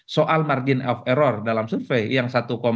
soal margin of error dalam survei yang satu empat